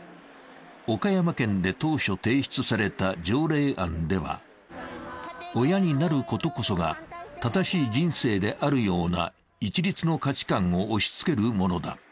岡山県で当初提出された条例案では、親になることこそが正しい人生であるような一律の価値観を押しつけるものだ。